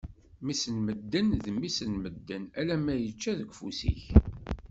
Mmi-s n medden, d mmi-s n medden, alemma yečča deg ufus-ik.